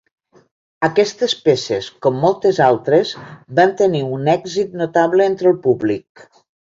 Aquestes peces, com moltes altres, van tenir un èxit notable entre el públic.